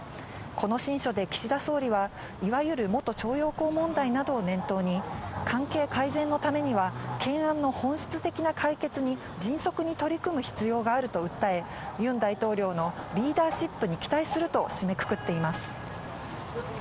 この親書で岸田総理は、いわゆる元徴用工問題などを念頭に、関係改善のためには、懸案の本質的な解決に迅速に取り組む必要があると訴え、ユン大統領のリーダーシップに期待すると締めくくっています。